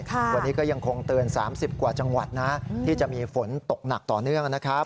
วันนี้ก็ยังคงเตือน๓๐กว่าจังหวัดนะที่จะมีฝนตกหนักต่อเนื่องนะครับ